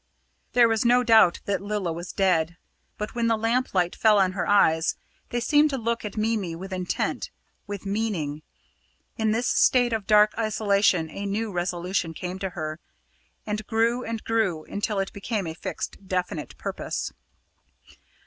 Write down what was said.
There was no doubt that Lilla was dead; but when the lamp light fell on her eyes, they seemed to look at Mimi with intent with meaning. In this state of dark isolation a new resolution came to her, and grew and grew until it became a fixed definite purpose.